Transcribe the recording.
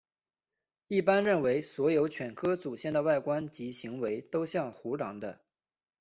一般认为所有犬科祖先的外观及行为都像胡狼的。